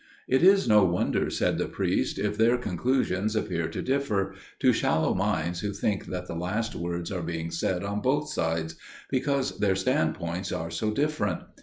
"It is no wonder," said the priest, "if their conclusions appear to differ, to shallow minds who think that the last words are being said on both sides; because their standpoints are so different.